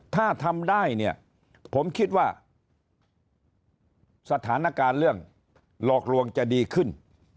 ถ้าทำได้เนี่ยผมคิดว่าสถานการณ์เรื่องหลอกลวงจะดีขึ้น